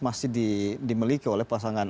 masih dimiliki oleh pasangan